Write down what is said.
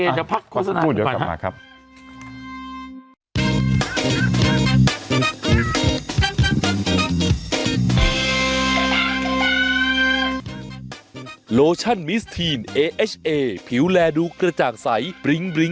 เดี๋ยวพักน้ำหนูเดี๋ยวกลับมาครับ